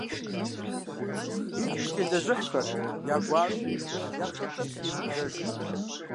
ИкӀи телэжьыхьхэрт я гуащӀи, я пщӀэнтӀэпси емыблэжу.